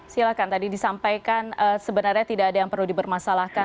silahkan tadi disampaikan sebenarnya tidak ada yang perlu dibermasalahkan